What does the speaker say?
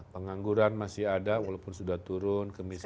pengangguran masih ada walaupun sudah turun ke miskinan